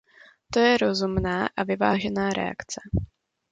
To je rozumná a vyvážená reakce.